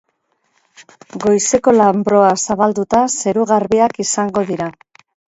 Goizeko lanbroa zabalduta, zeru garbiak izango dira.